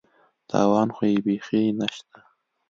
تاوان خو یې بېخي نشته.